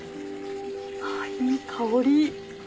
あぁいい香り。